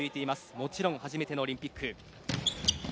もちろん初めてのオリンピック。